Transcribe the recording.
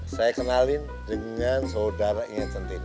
saya kenalin dengan saudaranya sendiri